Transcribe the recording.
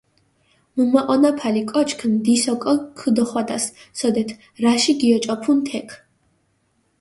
მჷმაჸონაფალი კოჩქ ნდის ოკო ქჷდოხვადას, სოდეთ რაში გიოჭოფუნ თექ.